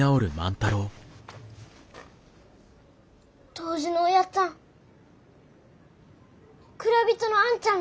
杜氏のおやっつぁん蔵人のあんちゃん